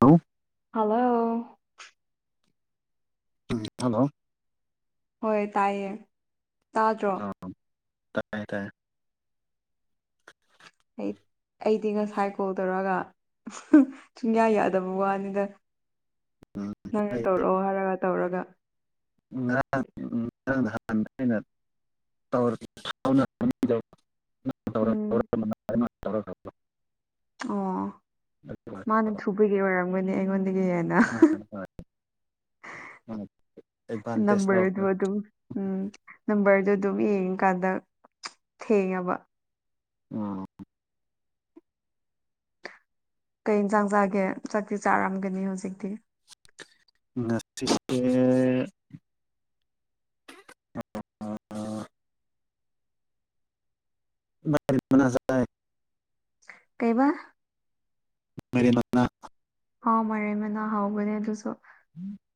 hello hello ꯎꯝ hello ꯍꯣꯏ ꯇꯥꯏꯌꯦ ꯇꯥꯗ꯭ꯔꯣ ꯇꯥꯏꯌꯦ ꯇꯥꯏꯌꯦ [unintelligible] ꯍ ꯑꯩꯗꯤ ꯉꯁꯥꯏ ꯀꯣꯜ ꯇꯧꯔꯒ ꯁꯨꯡꯌꯥ ꯌꯥꯗꯕ ꯋꯥꯅꯤꯗ ꯎꯝ ꯅꯪ ꯑꯩ ꯇꯧꯔꯛꯑꯣ ꯍꯥꯏꯔꯒ ꯇꯧꯔꯒ ꯉꯔꯥꯡ ꯎ ꯉꯗ ꯍ ꯑꯩꯅ ꯎꯝ [unintelligible] ꯑꯣ ꯃꯥꯅ ꯊꯨꯕꯒꯤ ꯑꯣꯏꯔꯝꯒꯅꯤ ꯑꯩꯉꯣꯟꯗꯒꯤ ꯍꯦꯟꯅ ꯑꯦꯗꯚꯥꯟꯇꯦꯖ ꯅꯝꯕꯔ ꯑꯗꯨ ꯂꯧꯈ꯭ꯔꯦ ꯑꯗꯨꯃ ꯎꯝ ꯅꯝꯕꯔꯗꯨ ꯑꯗꯨꯝ ꯌꯦꯡꯉꯀꯥꯟꯗ ꯊꯦꯡꯉꯕ ꯎꯝ ꯀꯩ ꯏꯟꯁꯥꯡ ꯆꯥꯒꯦ ꯆꯥꯛꯛꯇꯤ ꯆꯥꯔꯝꯒꯅꯤ ꯍꯧꯖꯤꯛꯇꯤ ꯉꯁꯤꯁꯦ ꯑꯥ ꯃꯥꯏꯔꯦꯟꯃꯥꯅꯥ ꯆꯥꯏꯌꯦ ꯀꯩꯕꯥ ꯃꯥꯏꯔꯦꯟ ꯃꯅꯥ ꯍꯥꯎ ꯃꯔꯩ ꯃꯅꯥ ꯍꯥꯎꯒꯅꯤ ꯑꯗꯨꯁꯨ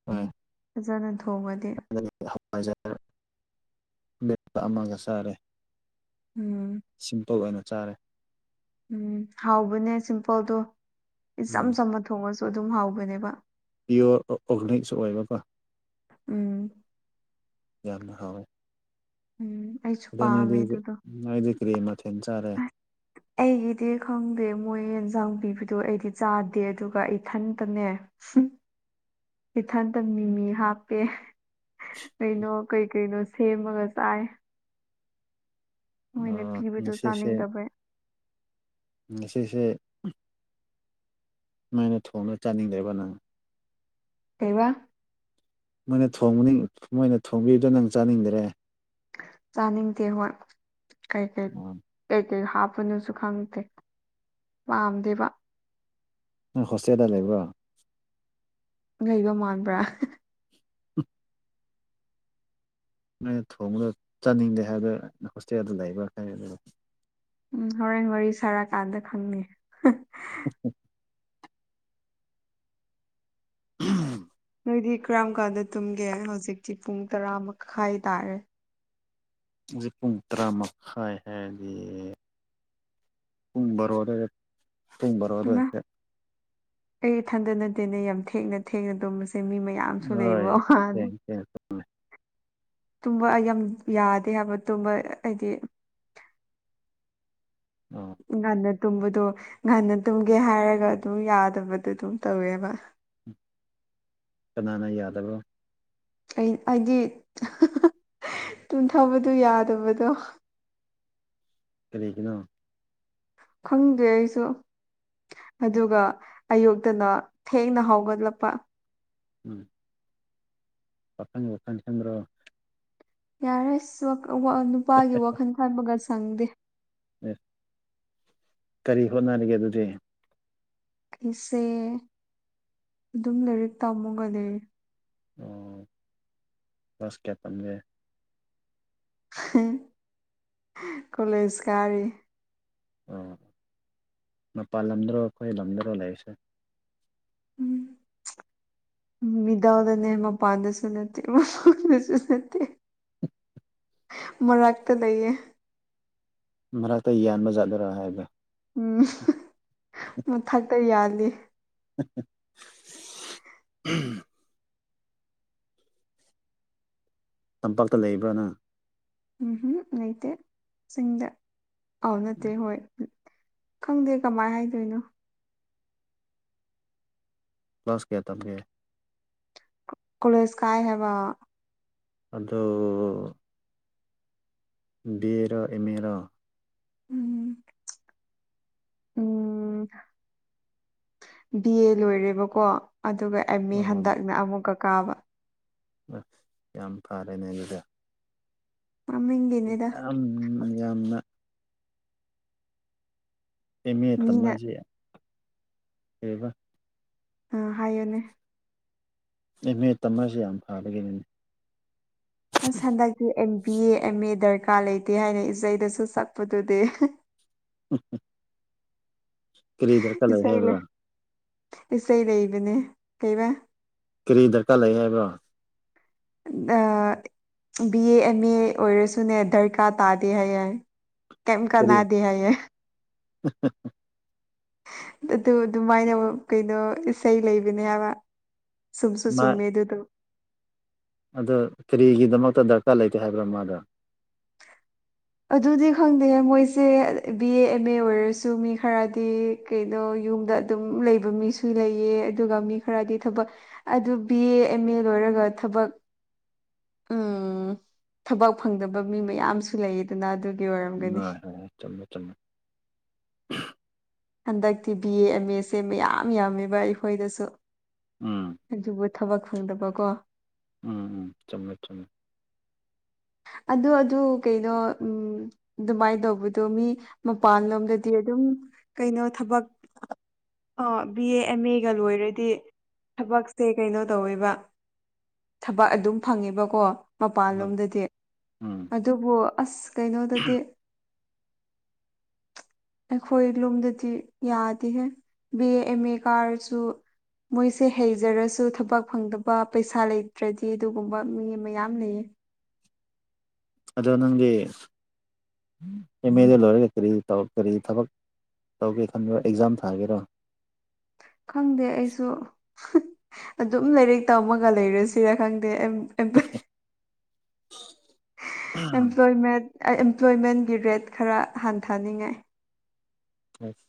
ꯍꯣꯏ ꯐꯖꯅ ꯊꯣꯡꯒꯗꯤ ꯖ ꯑꯃꯒ ꯆꯥꯔꯦ ꯎꯝ ꯁꯤꯝꯄꯜ ꯑꯣꯏꯅ ꯆꯥꯔꯦ ꯎꯝ ꯍꯥꯎꯕꯅꯦ ꯁꯤꯝꯄꯜꯗꯣ ꯏꯆꯝ ꯎꯝ ꯆꯝꯝꯕ ꯊꯣꯡꯉꯁꯨ ꯑꯗꯨꯝ ꯍꯥꯎꯕꯅꯦꯕ ꯄꯤꯌꯣꯔ ꯑꯣꯔꯒꯥꯅꯤꯛꯁꯨ ꯑꯣꯏꯕ ꯎꯝ ꯌꯥꯝꯅ ꯍꯥꯎꯋꯦ ꯎꯝ ꯑꯩꯁꯨ ꯑꯗꯣ ꯄꯥꯝꯃꯦ ꯅꯪꯗꯤ ꯑꯗꯨꯗꯣ ꯅꯪꯗꯤ ꯀꯔꯤ ꯃꯊꯦꯜ ꯆꯥꯔꯦ [unintelligible] ꯑꯩꯒꯤꯗꯤ ꯈꯪꯗꯦ ꯃꯣꯏ ꯏꯟꯁꯥꯡ ꯄꯤꯕꯗꯣ ꯑꯩꯗꯤ ꯆꯥꯗꯦ ꯑꯗꯨꯒ ꯑꯩꯊꯟꯇꯅꯦ ꯏꯊꯟꯗ ꯃꯤꯃꯤ ꯍꯥꯞꯄꯦ ꯀꯩꯅꯣ ꯀꯩ ꯀꯩꯅꯣ ꯁꯦꯝꯃꯒ ꯆꯥꯏ ꯎ ꯃꯣꯏꯅ ꯄꯤꯕꯗꯣ ꯉꯁꯤꯁꯦ ꯆꯥꯅꯤꯡꯗꯕꯩ ꯉꯁꯤꯁꯦ ꯁꯨꯃꯥꯏꯅ ꯊꯣꯡꯅ ꯆꯥꯅꯤꯡꯗꯕ ꯅꯪ ꯀꯩꯕ ꯃꯣꯏꯅ ꯊꯣꯡꯕꯅꯤꯡ ꯃꯣꯏꯅ ꯊꯣꯡꯕꯤꯕꯗꯣ ꯅꯪ ꯆꯥꯅꯤꯡꯗꯥꯔꯦ ꯆꯥꯅꯤꯡꯗꯦ ꯍꯣꯏ ꯀꯩ ꯀꯩ ꯑꯣ ꯀꯩꯀꯩ ꯍꯥꯞꯄꯅꯣꯁꯨ ꯈꯪꯗꯦ ꯄꯥꯝꯗꯦꯕ ꯅꯪ ꯍꯣꯁꯇꯦꯜꯗ ꯂꯩꯕ꯭ꯔꯣ ꯂꯩꯕ ꯃꯥꯟꯕ꯭ꯔꯥ ꯅꯣꯏꯅ ꯊꯣꯡꯕꯗ ꯆꯥꯅꯤꯡꯗꯦ ꯍꯥꯏꯕꯗꯣ ꯍꯣꯁꯇꯦꯜꯗ ꯂꯩꯕ꯭ꯔꯥ ꯍꯥꯏ ꯑꯗꯨ ꯎꯝ ꯍꯣꯔꯦꯟ ꯋꯥꯔꯤ ꯁꯥꯔꯀꯥꯟꯗ ꯈꯪꯅꯤ [inaudible] ꯅꯣꯏꯗꯤ ꯀꯔꯝ ꯀꯥꯟꯗ ꯇꯨꯝꯒꯦ ꯍꯧꯖꯤꯛꯇꯤ ꯄꯨꯡ ꯇꯔꯥ ꯃꯈꯥꯏ ꯇꯥꯔꯦ ꯍꯨꯖꯤꯛ ꯄꯨꯡ ꯇꯔꯥ ꯃꯈꯥꯏ ꯍꯥꯏꯔꯗꯤ ꯄꯨꯡ ꯕꯥꯔꯣ ꯑꯗꯥꯏꯗ ꯄꯨꯡ ꯕꯥꯔꯣ ꯏꯃꯥ ꯑꯗꯥꯏꯗꯥ ꯑꯩ ꯏꯊꯟꯗ ꯅꯠꯇꯦꯅꯦ ꯌꯥꯝ ꯊꯦꯡꯅ ꯊꯦꯡꯅ ꯇꯨꯝꯕꯁꯦ ꯃꯤ ꯃꯥ ꯌꯥꯝꯁꯨ ꯍꯣꯏ ꯂꯩꯕꯣ ꯍꯥꯅꯦ ꯊꯦꯡ ꯊꯦꯡ ꯇꯨꯝꯕ ꯌꯥꯝ ꯌꯥꯗꯦ ꯍꯥꯏꯕ ꯇꯨꯝꯕ ꯑꯩꯗꯤ ꯑꯣ ꯉꯟꯅ ꯇꯨꯝꯕꯗꯣ ꯉꯟꯅ ꯇꯨꯝꯒꯦ ꯍꯥꯏꯔꯒ ꯑꯗꯨꯝ ꯌꯥꯗꯕꯗꯣ ꯑꯗꯨꯝ ꯇꯧꯋꯦꯕ ꯀꯅꯥꯅ ꯌꯥꯗꯕ꯭ꯔꯣ ꯑꯩ ꯍꯥꯏꯗꯤ ꯇꯨꯝꯊꯕꯗꯣ ꯌꯥꯗꯕꯗꯣ ꯀꯔꯤꯒꯤꯅꯣ ꯈꯪꯗꯦ ꯑꯩꯁꯨ ꯑꯗꯨꯒꯥ ꯑꯌꯨꯛꯇꯥꯅ ꯊꯦꯡꯅ ꯍꯧꯒꯠꯂꯛꯄ ꯎꯝ ꯄꯥꯈꯪ ꯋꯥꯈꯟ ꯈꯟꯗ꯭ꯔꯣ ꯌꯥꯔꯦ ꯑꯁ ꯋꯥ ꯅꯨꯄꯥꯒꯤ ꯋꯥꯈꯜ ꯈꯟꯕꯒ ꯁꯪꯗꯦ ꯑꯦ ꯀꯔꯤ ꯍꯣꯠꯅꯔꯤꯒꯦ ꯑꯗꯨꯗꯤ ꯑꯩꯁꯦ ꯑꯗꯨꯝ ꯂꯥꯏꯔꯤꯛ ꯇꯝꯃꯒ ꯂꯩꯔꯦ ꯑꯣ ꯀ꯭ꯂꯥꯁ ꯀꯥꯌꯥ ꯇꯝꯃꯒꯦ ꯀꯣꯂꯦꯖ ꯀꯥꯔꯤ ꯑꯣ ꯃꯄꯥꯟ ꯂꯝꯗꯥꯔꯣ ꯑꯩꯈꯣꯏ ꯂꯝꯗꯥꯔꯣ ꯂꯩꯔꯤꯁꯦ ꯎꯝ ꯎꯝ ꯃꯤꯗꯥꯜꯗꯥꯅꯦ ꯃꯄꯥꯟꯗꯁꯨ ꯅꯠꯇꯦ ꯃꯥ [unintelligible] ꯗꯥꯁꯨ ꯅꯠꯇꯦ ꯃꯔꯛꯇꯥ ꯂꯩꯌꯦ ꯃꯔꯛꯇꯥ ꯌꯥꯟꯕꯖꯥꯠꯗꯔꯥ ꯍꯥꯏꯕ ꯎꯝ ꯃꯊꯛꯇꯥ ꯌꯥꯜꯂꯤ ꯎꯝ ꯇꯝꯄꯥꯛꯇꯥ ꯂꯩꯕ꯭ꯔꯥ ꯅꯪ ꯎꯝ ꯍꯝ ꯂꯩꯇꯦ ꯆꯤꯡꯗ ꯑꯥꯎ ꯅꯠꯇꯦ ꯍꯣꯏ ꯈꯪꯗꯦ ꯀꯃꯥꯏ ꯍꯥꯏꯗꯣꯏꯅꯣ ꯀ꯭ꯂꯥꯁ ꯀꯌꯥ ꯇꯝꯒꯦ ꯀꯣꯂꯦꯖ ꯀꯥꯏ ꯍꯥꯏꯕ ꯑꯗꯣ ꯕꯤ ꯑꯦ ꯔꯥ ꯑꯦꯝ ꯑꯦ ꯔꯥ ꯎꯝ ꯎꯝ ꯕꯤ ꯑꯦ ꯂꯣꯏꯔꯦꯕꯀꯣ ꯑꯗꯨꯒ ꯑꯦꯝ ꯑꯦ ꯍꯟꯗꯛꯅ ꯑꯃꯨꯛꯀꯥ ꯀꯥꯕ ꯑ ꯌꯥꯝ ꯐꯔꯦꯅꯦ ꯑꯗꯨꯗꯤ ꯃꯃꯤꯡꯒꯤꯅꯤꯗ ꯌꯥꯝ ꯌꯥꯝꯅ ꯑꯦꯝ ꯑꯦ ꯇꯝ ꯃꯤꯅ ꯃꯥꯁꯦ ꯀꯩꯕ ꯑ ꯍꯥꯏꯌꯣꯅꯦ ꯑꯦꯝ ꯑꯦ ꯇꯃꯁꯦ ꯌꯥꯝ ꯐꯕꯒꯤꯅꯤꯅꯦ ꯑꯁ ꯍꯟꯗꯛꯇꯤ ꯑꯦꯝ ꯕꯤ ꯑꯦ ꯑꯦꯝ ꯃꯦ ꯗꯔꯀꯥꯔ ꯂꯩꯇꯦ ꯍꯥꯏꯅ ꯏꯁꯩꯗꯁꯨ ꯁꯛꯄꯗꯨꯗꯤ [inaudible] ꯀꯔꯤꯗ ꯏꯁꯩ ꯂꯩ ꯏꯁꯩ ꯂꯩꯕꯅꯦ ꯀꯩꯕ ꯀꯔꯤ ꯗꯔꯀꯥꯔ ꯂꯩ ꯍꯥꯏꯕ꯭ꯔꯣ ꯑꯥ ꯕꯤ ꯑꯦ ꯑꯦꯝ ꯑꯦ ꯑꯣꯏꯔꯁꯨꯅꯦ ꯗꯔꯀꯥꯔ ꯇꯥꯗꯦ ꯍꯥꯏ ꯌꯦ ꯀꯔꯤ ꯀꯦꯝꯀꯅꯥꯗꯦ ꯍꯥꯏꯌꯦ [unintelligible] ꯑꯗꯨ ꯑꯗꯨꯃꯥꯏꯅ ꯀꯩꯅꯣ ꯏꯁꯩ ꯂꯩꯕꯅꯦ ꯍꯥꯏꯕ ꯁꯨꯝꯁꯨꯨꯝ ꯃꯥ ꯆꯨꯃꯦꯗꯨꯗꯣ ꯑꯗꯣ ꯀꯔꯤꯒꯤꯗꯃꯛꯇ ꯗꯔꯀꯥꯔ ꯂꯩꯇꯦ ꯍꯥꯏꯕ꯭ꯔꯥ ꯃꯥꯗꯣ ꯑꯗꯨꯗꯤ ꯈꯪꯗꯦ ꯃꯣꯏꯁꯦ ꯕꯤ ꯑꯦ ꯑꯦꯝ ꯑꯦ ꯑꯣꯏꯔꯁꯨ ꯃꯤ ꯈꯔꯗꯤ ꯀꯩꯅꯣ ꯌꯨꯝꯗ ꯑꯗꯨꯝ ꯂꯩꯕ ꯃꯤꯁꯨ ꯂꯩꯌꯦ ꯑꯗꯨꯒ ꯃꯤ ꯈꯔꯗꯤ ꯊꯕꯛ ꯑꯗꯨ ꯕꯤ ꯑꯦ ꯑꯦꯝ ꯑꯦ ꯂꯣꯏꯔꯒ ꯊꯕꯛ ꯎꯝ ꯊꯕꯛ ꯐꯪꯗꯕ ꯃꯤ ꯃꯌꯥꯝꯁꯨ ꯂꯩ ꯗꯅ ꯑꯗꯨꯒꯤ ꯑꯣꯏꯔ [unintelligible] ꯍꯣꯏ ꯆꯨꯝꯃꯦ ꯆꯨꯝꯃꯦ ꯍꯟꯗꯛꯇꯤ ꯕꯤ ꯑꯦ ꯑꯦꯝ ꯑꯦꯁꯦ ꯃꯌꯥꯝ ꯌꯥꯝꯃꯦꯕ ꯑꯩꯈꯣꯏꯗꯁꯨ ꯎꯝ ꯑꯗꯨꯕꯨ ꯊꯕꯛ ꯐꯪꯗꯕꯀꯣ ꯎꯝ ꯎꯝ ꯆꯨꯝꯃꯦ ꯆꯨꯝꯃꯦ ꯑꯗꯨ ꯑꯗꯨ ꯀꯩꯩꯅꯣ ꯎꯝ ꯑꯗꯨꯃꯥꯏꯅ ꯇꯧꯕꯗꯣ ꯃꯤ ꯃꯄꯥꯟꯂꯣꯝꯗꯗꯤ ꯑꯗꯨꯝ ꯀꯩꯅꯣ ꯊꯕꯛ ꯑ ꯕꯤ ꯑꯦ ꯑꯦꯝ ꯑꯦꯒ ꯂꯣꯏꯔꯗꯤ ꯊꯕꯛꯁꯦ ꯀꯩꯅꯣ ꯇꯧꯋꯦꯕ ꯊꯕꯛ ꯑꯗꯨꯝ ꯐꯪꯉꯦꯕꯀꯣ ꯎꯝ ꯃꯄꯥꯜꯂꯣꯝꯗꯗꯤ ꯎꯝ ꯑꯗꯨꯕꯨ ꯑꯁ ꯀꯩꯅꯣꯗꯗꯤ ꯑꯩꯈꯣꯏ ꯂꯣꯝꯗꯗꯤ ꯌꯥꯗꯦꯍꯦ ꯕꯤ ꯑꯦ ꯑꯦꯝ ꯑꯦ ꯀꯥꯔꯁꯨ ꯃꯣꯏꯁꯦ ꯍꯩꯖꯔꯁꯨ ꯊꯕꯛ ꯐꯪꯗꯕ ꯄꯩꯁꯥ ꯂꯩꯇ꯭ꯔꯗꯤ ꯑꯗꯨꯒꯨꯝꯕ ꯃꯤ ꯃꯌꯥꯝ ꯂꯩꯌꯦ ꯑꯗꯣ ꯅꯪꯗꯤ ꯑꯦꯝ ꯑꯦꯗꯣ ꯂꯣꯏꯔꯒ ꯀꯔꯤ ꯇꯧ ꯀꯔꯤ ꯊꯕꯛ ꯇꯧꯒꯦ ꯈꯟꯕ꯭ꯔꯣ ꯑꯦꯛꯖꯥꯝ ꯊꯥꯒꯦꯔꯣ ꯈꯪꯗꯦ ꯑꯩꯁꯨ ꯑꯗꯨꯝ ꯂꯥꯏꯔꯤꯛ ꯇꯝꯃꯒ ꯂꯩꯔꯁꯤꯔ ꯈꯪꯗꯦ ꯑꯦꯝ [inaudible] ꯑꯦꯝꯄ꯭ꯂꯣꯏꯃꯦꯠ ꯑꯥ ꯑꯦꯝꯄ꯭ꯂꯣꯏꯃꯦꯟꯒꯤ ꯔꯦꯠ ꯈꯔ ꯍꯟꯊꯅꯤꯡꯉꯥꯏ ꯑꯁ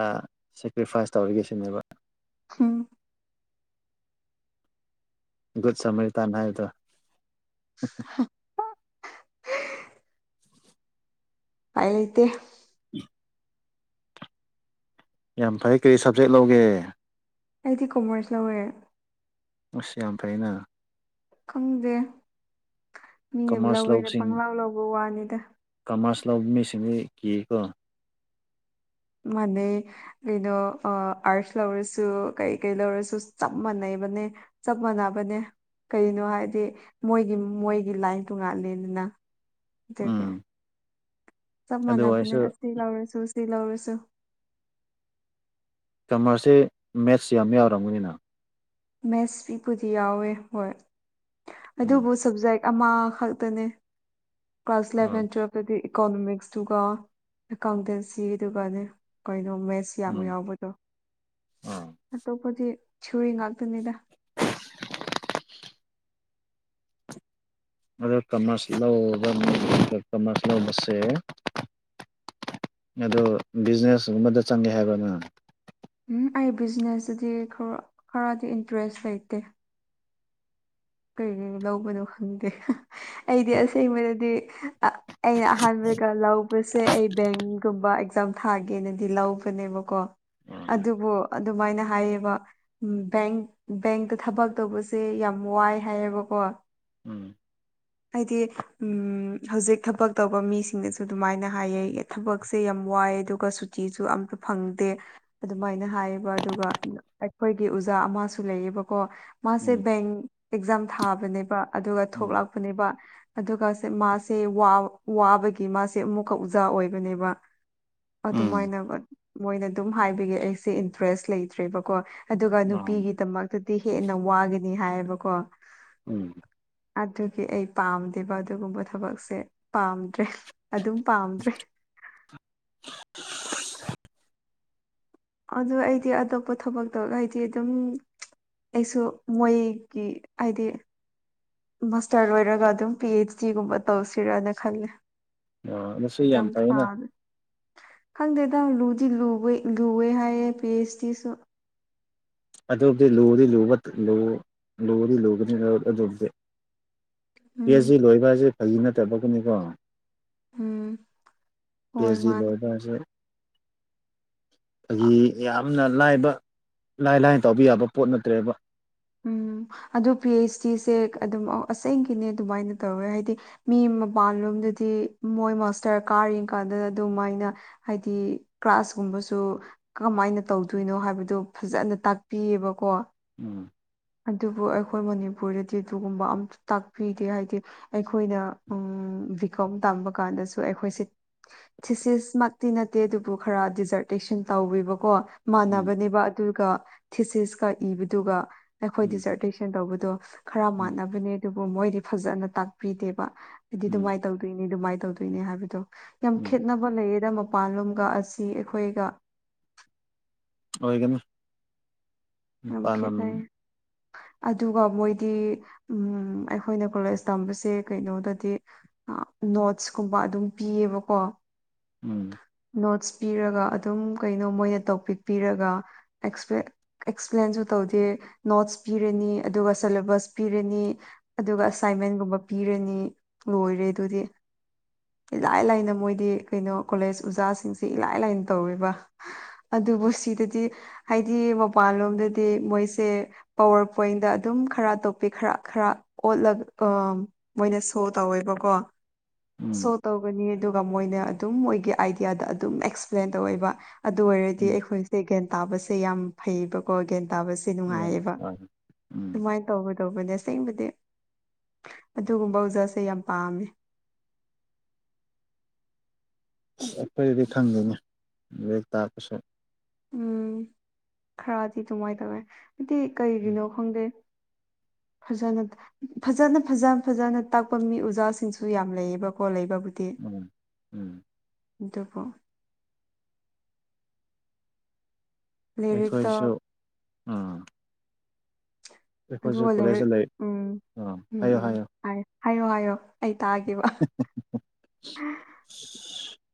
ꯑꯥ ꯁꯦꯀ꯭ꯔꯤꯐꯥꯏꯁ ꯇꯧꯔꯒꯦ ꯁꯤꯅꯦꯕ ꯎꯝ ꯒꯨꯨꯠ ꯁꯃꯤꯔ ꯇꯥꯟ ꯍꯥꯏꯕꯗꯣ [inaudible] ꯄꯥꯏ ꯂꯩꯇꯦ [inaudible] ꯌꯥꯝ ꯐꯩ ꯀ꯭ꯔꯤ ꯁꯕꯖꯦꯛ ꯂꯧꯒꯦ ꯑꯩꯗꯤ ꯀꯣꯃꯔꯁ ꯂꯧꯋꯦ ꯑꯁ ꯌꯥꯝ ꯐꯩꯅ ꯈꯪꯗꯦ ꯃꯤꯅ ꯀꯃꯔꯁ ꯂꯧꯋꯦꯅ ꯄꯪꯂꯥꯎ ꯂꯧꯕ ꯋꯥꯅꯤꯗ ꯀꯃꯔꯥꯁ ꯂꯧꯕ ꯃꯤꯁꯤꯡꯗꯤ ꯀꯤꯌꯦꯀꯣ ꯃꯅꯦ ꯀꯩꯅꯣ ꯑꯥ ꯑꯥꯔꯠꯁ ꯂꯧꯔꯁꯨ ꯀꯩ ꯀꯩ ꯂꯧꯔꯁꯨ ꯆꯞ ꯃꯥꯟꯅꯩꯕꯅꯦ ꯆꯞ ꯃꯥꯟꯅꯕꯅꯦ ꯀꯩꯅꯣ ꯍꯥꯏꯗꯤ ꯃꯣꯏꯒꯤ ꯃꯣꯏꯒꯤ ꯂꯥꯏꯟ ꯇꯣꯉꯥꯜꯂꯤꯗꯅ ꯑꯗꯨꯅꯦ ꯎꯝ ꯆꯞ ꯑꯗꯨ ꯃꯥꯟꯅꯕꯅꯦ ꯑꯣꯏꯔꯁꯨ ꯑꯥꯁꯤ ꯂꯧꯔꯁꯨ ꯁꯤ ꯂꯧꯔꯁꯨ ꯀꯃꯔꯁꯁꯦ ꯃꯦꯠꯁ ꯌꯥꯝ ꯌꯥꯎꯔꯝꯒꯅꯤꯅ ꯃꯦꯠꯁ ꯄꯤꯄꯨꯗꯤ ꯌꯥꯎꯋꯦ ꯍꯣꯏ ꯎꯝ ꯑꯗꯨꯕꯨ ꯁꯕꯖꯦꯛ ꯑꯃ ꯈꯛꯇꯅꯦ ꯀ꯭ꯂꯥꯁ ꯎꯝ ꯏꯂꯚꯦꯟ ꯇꯨꯋꯦꯜ ꯑꯗꯨꯗꯤ ꯏꯀꯣꯅꯣꯃꯤꯛꯁꯇꯨꯒ ꯑꯦꯀꯥꯎꯟꯇꯦꯟꯁꯤ ꯑꯗꯨꯒꯅꯦ ꯀꯩꯅꯣ ꯃꯦꯠꯁ ꯀꯌꯥꯝ ꯎꯝ ꯌꯥꯎꯕꯗꯣ ꯑꯥ ꯑꯇꯣꯞꯄꯗꯤ ꯊꯤꯌꯨꯔꯤ ꯉꯥꯛꯇꯅꯤꯗ ꯑꯗꯨ ꯀꯃꯔꯁ ꯂꯧꯕ ꯃꯤ ꯀꯃꯔꯁ ꯂꯧꯕꯁꯦ ꯑꯗꯣ ꯕꯤꯖꯤꯅꯦꯁꯒꯨꯝꯕꯗ ꯆꯪꯒꯦ ꯍꯥꯏꯕ꯭ꯔꯅ ꯎꯝ ꯑꯩ ꯕꯤꯖꯤꯅꯦꯁꯇꯗꯤ ꯈꯔꯥ ꯈꯔꯗꯤ ꯏꯟꯇꯔꯦꯁ ꯂꯩꯇꯦ ꯀꯔꯤ ꯂꯧꯕꯅꯣ ꯈꯪꯗꯦ ꯑꯩꯗꯤ ꯑꯁꯦꯡꯕꯩꯗꯗꯤ ꯑꯥ ꯑꯩꯅ ꯑꯍꯥꯟꯕꯒ ꯂꯧꯕꯁꯦ ꯑꯩ ꯕꯦꯡꯒꯨꯝꯕ ꯑꯦꯛꯖꯥꯝ ꯊꯥꯒꯦꯅꯗꯤ ꯂꯧꯕꯅꯦꯕꯀꯣ ꯎꯝ ꯑꯗꯨꯕꯨ ꯑꯗꯨꯃꯥꯏꯅ ꯍꯥꯏꯌꯦꯕ ꯕꯦꯡ ꯕꯦꯡꯇ ꯊꯕꯛ ꯇꯧꯕꯁꯦ ꯌꯥꯝ ꯋꯥꯏ ꯍꯥꯏꯌꯦꯕ ꯀꯣ ꯎꯝ ꯍꯥꯏꯗꯤ ꯎꯝ ꯍꯧꯖꯤꯛ ꯊꯕꯛ ꯇꯧꯕ ꯃꯤꯁꯤꯡꯅꯁꯨ ꯑꯗꯨꯃꯥꯏꯅ ꯍꯥꯏꯌꯦꯌꯦ ꯊꯕꯛꯁꯦ ꯌꯥꯝ ꯋꯥꯏ ꯑꯗꯨꯒ ꯁꯨꯇꯤꯁꯨ ꯑꯝꯇ ꯐꯪꯗꯦ ꯑꯗꯨꯃꯥꯏꯅ ꯍꯥꯏꯌꯦꯕ ꯑꯗꯨꯒ ꯑꯩꯈꯣꯏꯒꯤ ꯎꯖꯥ ꯑꯃꯁꯨ ꯂꯩꯌꯦꯕꯀꯣ ꯃꯥꯁꯦ ꯎꯝ ꯕꯦꯡ ꯑꯦꯛꯖꯥꯝ ꯊꯥꯕꯅꯦꯕ ꯑꯗꯨꯒ ꯊꯣꯛꯂꯛꯄꯅꯦꯕ ꯑꯗꯨꯒꯁꯦ ꯃꯥꯁꯦ ꯋꯥ ꯋꯥꯕꯒꯤ ꯃꯥꯁꯦ ꯑꯃꯨꯛꯀ ꯑꯣꯖꯥ ꯑꯣꯏꯕꯅꯦꯕ ꯎꯝ ꯑꯗꯨꯃꯥꯏꯅ ꯃꯣꯏꯅ ꯑꯗꯨꯝ ꯍꯥꯏꯕꯒꯦ ꯑꯩꯁꯦ ꯏꯟꯇꯔꯦꯁ ꯂꯩꯇ꯭ꯔꯦꯕꯀꯣ ꯑꯗꯨꯒ ꯎꯝ ꯅꯨꯄꯤꯒꯤꯗꯃꯛꯇꯗꯤ ꯍꯦꯟꯅ ꯋꯥꯒꯅꯤ ꯍꯥꯏꯌꯦꯕꯀꯣ ꯎꯝ ꯑꯗꯨꯒꯤ ꯑꯩ ꯄꯥꯝꯗꯦꯕ ꯑꯗꯨꯒꯨꯝꯕ ꯊꯕꯛꯁꯦ ꯄꯥꯝꯗ꯭ꯔꯦ ꯑꯗꯨꯝ ꯄꯥꯝꯗ꯭ꯔꯦ [unintelligible] ꯑꯗꯨ ꯑꯩꯗꯤ ꯑꯇꯣꯞꯄ ꯊꯕꯛꯇꯣ ꯑꯩꯗꯤ ꯑꯗꯨꯝ ꯑꯩꯁꯨ ꯃꯣꯏꯒꯤ ꯍꯥꯏꯗꯤ ꯃꯥꯁꯇꯔ ꯂꯣꯏꯔꯒ ꯑꯗꯨꯝ ꯄꯤ ꯑꯩꯆꯗꯤ ꯒꯨꯝꯕ ꯇꯧꯁꯤꯔꯥꯅ ꯈꯜꯂꯦ ꯑꯣ ꯑꯗꯨꯁꯨ ꯑꯦꯗꯝ ꯌꯥꯝ ꯐꯩꯅ ꯊꯥꯔꯦ ꯈꯪꯗꯦꯗ ꯂꯨꯗꯤ ꯂꯨꯕꯩ ꯂꯨꯋꯦ ꯍꯥꯏꯌꯦ ꯄꯤ ꯑꯩꯆ ꯗꯤꯁꯨ ꯑꯗꯣꯞꯗꯤ ꯂꯨꯗꯤ ꯂꯨꯕꯥ ꯂꯨ ꯂꯨꯗꯤ ꯂꯨꯕꯅꯤꯅꯥ ꯑꯗꯨꯞꯇꯤ ꯎꯝ ꯄꯦꯑꯦꯁꯤ ꯂꯣꯏꯕꯁꯦ ꯐꯒꯤ ꯅꯠꯇꯕꯒꯤꯅꯤꯀꯣ ꯎꯝ ꯍꯣꯏ ꯄꯦꯖꯤ ꯃꯥꯅꯦ ꯂꯣꯏꯕꯁꯦ ꯐꯥꯒꯤ ꯌꯥꯝꯅ ꯂꯥꯏꯕ ꯂꯥꯏ ꯂꯥꯏꯅ ꯇꯧꯕ ꯌꯥꯕ ꯄꯣꯠ ꯅꯠꯇ꯭ꯔꯦꯕ ꯎꯝ ꯑꯗꯨ ꯄꯤ ꯑꯩꯆ ꯗꯤꯁꯦ ꯑꯗꯨꯝ ꯑꯁꯦꯡꯀꯤꯅꯦ ꯑꯗꯨꯃꯥꯏꯅ ꯇꯧꯋꯦ ꯍꯥꯏꯗꯤ ꯃꯤ ꯃꯄꯥꯟꯂꯣꯝꯗꯗꯤ ꯃꯣꯏ ꯃꯥꯁꯇꯔ ꯀꯥꯔꯤ ꯀꯥꯟꯗꯗ ꯑꯗꯨꯃꯥꯏꯅ ꯍꯥꯏꯗꯤ ꯀ꯭ꯂꯥꯁꯀꯨꯝꯕꯁꯨ ꯀ꯭ꯔꯝꯃꯥꯏꯅ ꯇꯧꯗꯣꯏꯅꯣ ꯍꯥꯏꯕꯗꯨ ꯐꯖꯅ ꯇꯥꯛꯄꯤꯌꯦꯕꯀꯣ ꯎꯝ ꯑꯗꯨꯕꯨ ꯑꯩꯈꯣꯏ ꯃꯅꯤꯄꯨꯔꯗꯗꯤ ꯑꯗꯨꯒꯨꯝꯕ ꯑꯝ ꯇꯥꯛꯄꯤꯗꯦ ꯍꯥꯏꯗꯤ ꯑꯩꯈꯣꯏꯅ ꯎꯝ ꯕꯤꯀꯣꯝ ꯇꯝꯕ ꯀꯥꯟꯗꯁꯨ ꯑꯩꯈꯣꯏꯁꯦ ꯊꯤꯁꯤꯁꯃꯛꯇꯤ ꯅꯠꯇꯦ ꯑꯗꯨꯕꯨ ꯈꯔ ꯗꯤꯖꯔꯇꯦꯁꯟ ꯇꯧꯋꯦꯕꯀꯣ ꯎꯝ ꯃꯥꯟꯅꯕꯅꯦꯕ ꯑꯗꯨꯒ ꯊꯤꯁꯤꯁꯀ ꯏꯕꯗꯨꯒ ꯑꯩꯈꯣꯏ ꯎꯝ ꯗꯤꯖꯔꯇꯦꯁꯟ ꯇꯧꯕꯗꯣ ꯈꯔ ꯎꯝ ꯃꯥꯟꯅꯕꯅꯦ ꯑꯗꯨꯕꯨ ꯃꯣꯏꯗꯤ ꯐꯖꯅ ꯇꯥꯛꯄꯤꯗꯦꯕ ꯑꯩꯗꯤ ꯎꯝ ꯑꯗꯨꯃꯥꯏ ꯇꯧꯗꯣꯏꯅꯦ ꯑꯗꯨꯃꯥꯏ ꯇꯧꯗꯣꯏꯅꯦ ꯍꯥꯏꯕꯗꯣ ꯌꯥꯝ ꯎꯝ ꯈꯦꯠꯅ ꯕ ꯂꯩꯌꯦꯗ ꯃꯄꯥꯟꯂꯣꯝꯒ ꯑꯁꯤ ꯑꯩꯈꯣꯏꯒ ꯑꯣꯏꯒꯅꯤ ꯌꯥꯝ ꯄꯥꯟꯂꯝ ꯈꯦꯠꯅꯩ ꯑꯗꯨꯒ ꯃꯣꯏꯗꯤ ꯎꯝ ꯑꯩꯈꯣꯏꯅ ꯀꯣꯂꯦꯖ ꯇꯝꯕꯁꯦ ꯀꯩꯅꯣꯗꯗꯤ ꯅꯣꯠꯁ ꯀꯨꯝꯕ ꯑꯗꯨꯝ ꯄꯤꯌꯦꯕꯀꯣ ꯎꯝ ꯅꯣꯠꯁ ꯄꯤꯔꯒ ꯑꯗꯨꯝ ꯀꯩꯅꯣ ꯃꯣꯏꯅ ꯇꯣꯄꯤꯛ ꯄꯤꯔꯒ ꯑꯦꯛꯁꯄ꯭ꯂꯦꯟ ꯑꯦꯛꯁꯄ꯭ꯂꯦꯟꯁꯨ ꯇꯧꯗꯦ ꯅꯣꯠꯁ ꯄꯤꯔꯅꯤ ꯑꯗꯨꯒ ꯁꯦꯂꯦꯕꯁ ꯄꯤꯔꯅꯤ ꯑꯗꯨꯒ ꯑꯁꯥꯏꯟꯃꯦꯟꯒꯨꯝꯕ ꯄꯤꯔꯅꯤ ꯂꯣꯏꯔꯦ ꯑꯗꯨꯗꯤ ꯏꯂꯥꯏ ꯂꯥꯏꯅ ꯃꯣꯏꯗꯤ ꯀꯩꯅꯣ ꯀꯣꯂꯦꯖ ꯎꯖꯥꯁꯤꯡꯁꯤ ꯏꯂꯥꯏ ꯂꯥꯏꯅ ꯇꯧꯋꯤꯕ ꯑꯗꯨꯕꯨ ꯁꯤꯗꯗꯤ ꯍꯥꯏꯗꯤ ꯃꯄꯥꯟꯂꯣꯝꯗꯗꯤ ꯃꯣꯏꯁꯦ ꯄꯋꯥꯔ ꯄꯣꯏꯟꯗ ꯑꯗꯨꯝ ꯈꯔ ꯇꯣꯞꯄꯤ ꯈꯔ ꯈꯔ ꯑꯣꯠꯂꯒ ꯑ ꯃꯣꯏꯅ ꯁꯣ ꯇꯧꯋꯦꯕꯀꯣ ꯁꯣ ꯎꯝ ꯇꯧꯒꯅꯤ ꯑꯗꯨꯒ ꯃꯣꯏꯅ ꯑꯗꯨꯝ ꯃꯣꯏꯒꯤ ꯑꯥꯏꯗꯤꯌꯥꯗ ꯑꯗꯨꯝ ꯑꯦꯛꯁꯄ꯭ꯂꯦꯟ ꯇꯧꯋꯦꯕ ꯑꯗꯨ ꯑꯣꯏꯔꯗꯤ ꯎꯝ ꯑꯩꯈꯣꯏꯁꯦ ꯒ꯭ꯌꯥꯟ ꯇꯥꯕꯁꯦ ꯌꯥꯝ ꯐꯩꯌꯦꯕꯀꯣ ꯒ꯭ꯌꯥꯟ ꯇꯥꯕꯁꯦ ꯌꯥꯝ ꯅꯨꯡꯉꯥꯏꯌꯦꯕ ꯐꯔꯦ ꯎꯝ ꯑꯗꯨꯃꯥꯏ ꯇꯧꯕꯗꯧꯕꯅꯦ ꯑꯁꯦꯡꯕꯗꯤ ꯑꯗꯨꯒꯨꯝꯕ ꯑꯣꯖꯥꯁꯦ ꯌꯥꯝ ꯄꯥꯝꯃꯦ ꯑꯩꯈꯣꯏꯗꯗꯤ ꯈꯪꯗꯦꯅꯦ ꯂꯦꯛ ꯇꯥꯛꯄꯁꯦ ꯎꯝ ꯈꯔꯗꯤ ꯑꯗꯨꯃꯥꯏ ꯇꯧꯋꯦ ꯍꯥꯏꯗꯤ ꯎꯝ ꯀꯩꯒꯤꯅꯣ ꯈꯪꯗꯦ ꯐꯖꯅ ꯐꯖꯅ ꯐꯖ ꯐꯖꯅ ꯇꯥꯛꯄ ꯃꯤ ꯎꯖꯥꯁꯤꯡꯁꯨ ꯌꯥꯝ ꯂꯩꯌꯦꯕꯀꯣ ꯂꯩꯕꯕꯨ ꯎꯝ ꯎꯝ ꯑꯗꯨꯕꯨ ꯂꯥꯏꯔꯤꯛꯇ ꯑꯩꯈꯣꯏꯁꯨ ꯑꯥ ꯑꯗꯨꯒ ꯂꯩꯔꯤꯛ ꯀꯣꯂꯦꯖꯇ ꯂꯩ ꯎꯝ ꯑꯥ ꯎꯝ ꯍꯥꯏꯌꯣ ꯎꯝ ꯍꯥꯏꯌꯣ ꯍꯥꯏ ꯍꯥꯏꯌꯣ ꯍꯥꯏꯌꯣ ꯑꯩ ꯇꯥꯒꯦꯕ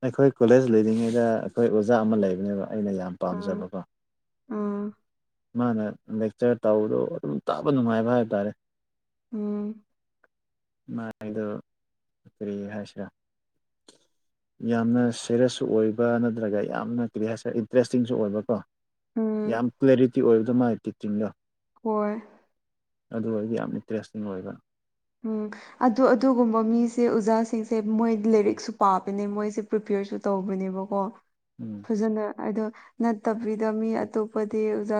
ꯑꯩꯈꯣꯏ ꯀꯣꯂꯦꯖ ꯂꯩꯔꯤꯉꯩꯗ ꯑꯈꯣꯏ ꯑꯣꯖꯥ ꯑꯃ ꯂꯩꯕꯅꯦꯕ ꯑꯩꯅ ꯌꯥꯝ ꯑꯥ ꯄꯥꯝꯖꯕꯀꯣ ꯑꯥ ꯃꯥꯅ ꯂꯦꯛꯆꯔ ꯇꯧꯕꯗꯣ ꯑꯗꯨꯝ ꯇꯥꯕ ꯅꯨꯡꯉꯥꯏꯕ ꯍꯥꯏꯕ ꯇꯥꯔꯦ ꯎꯝ ꯃꯥꯏꯒꯤꯗꯣ ꯀꯔꯤ ꯍꯥꯏꯁꯤꯔ [inaudible] ꯌꯥꯝꯅ ꯁꯦꯔꯤꯌꯁꯁꯨ ꯑꯣꯏꯕ ꯅꯠꯇ꯭ꯔꯒ ꯌꯥꯝꯅ ꯀꯔꯤ ꯍꯥꯏꯁꯔꯦ ꯏꯟꯇꯔꯦꯁꯇꯤꯡꯁꯨ ꯑꯣꯏꯕꯀꯣ ꯎꯝ ꯌꯥꯝ ꯀ꯭ꯂꯦꯔꯤꯇꯤ ꯑꯣꯏꯕꯗꯣ ꯃꯥꯒꯤ ꯇꯤꯆꯤꯡꯗꯣ ꯍꯣꯏ ꯑꯗꯨ ꯑꯩꯗꯤ ꯌꯥꯝ ꯏꯟꯇꯔꯦꯁꯇꯤꯡ ꯑꯣꯏꯕ ꯎꯝ ꯑꯗꯣ ꯑꯗꯨꯒꯨꯝꯕ ꯃꯤꯁꯦ ꯑꯣꯖꯥꯁꯤꯡꯁꯦ ꯃꯣꯏ ꯂꯥꯏꯔꯤꯛꯁꯨ ꯄꯥꯕꯅꯦ ꯃꯣꯏꯁꯦ ꯄ꯭ꯔꯤꯄꯦꯌꯔꯁꯨ ꯇꯧꯕꯅꯦꯕꯀꯣ ꯎꯝ ꯐꯖꯅ ꯑꯗꯣ ꯅꯠꯇꯕꯤꯗ ꯃꯤ ꯑꯇꯣꯞꯄꯗꯤ ꯑꯣꯖꯥꯁꯤꯡ